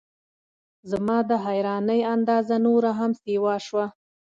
زما د حیرانۍ اندازه نوره هم سیوا شوه.